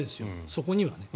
そこにはね。